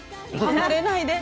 離れないで。